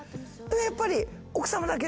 やっぱり。